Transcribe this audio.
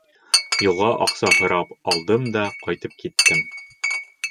Юлға аҡса һорап алдым да ҡайтып киттем.